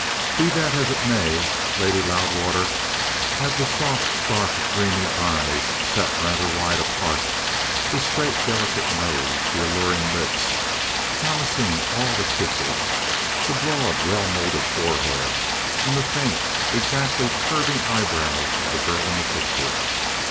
Be that as it may, Lady Loudwater had the soft, dark, dreamy eyes, set rather wide apart, the straight, delicate nose, the alluring lips, promising all the kisses, the broad, well moulded forehead, and the faint, exactly curving eyebrows of the girl in the picture.